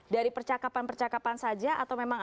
dari percakapan percakapan saja atau memang